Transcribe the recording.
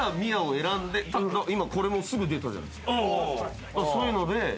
今これもすぐ出たじゃないですか。